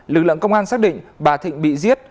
lực lượng công an xác định bà thịnh bị giết